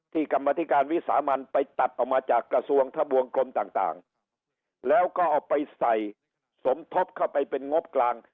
กรรมธิการวิสามันไปตัดออกมาจากกระทรวงทะบวงกลมต่างแล้วก็เอาไปใส่สมทบเข้าไปเป็นงบกลาง